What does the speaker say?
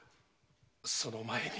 その前に。